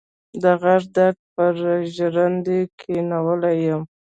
د غاښ درد پر ژرنده کېنولی يم.